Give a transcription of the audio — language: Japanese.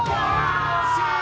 惜しい！